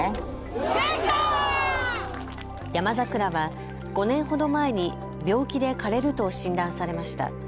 ヤマザクラは５年ほど前に病気で枯れると診断されました。